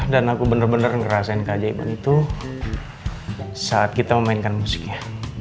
dan aku bener bener ngerasain keajaiban itu saat kita memainkan musiknya